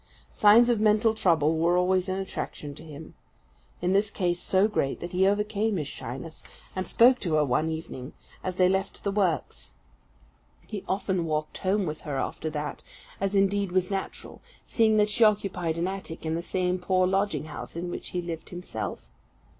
Signs of mental trouble were always an attraction to him; in this case so great, that he overcame his shyness, and spoke to her one evening as they left the works. He often walked home with her after that; as, indeed, was natural, seeing that she occupied an attic in the same poor lodging house in which he lived himself.